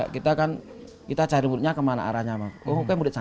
kita kan kita cari mutnya kemana arahnya